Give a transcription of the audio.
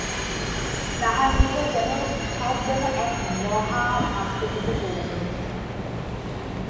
তাঁহার নিকট সব যেন এক মহা ভাবসমুদ্রে পরিণত হইয়াছিল।